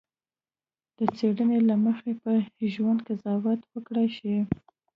د څېړنې له مخې په ژوند قضاوت وکړای شي.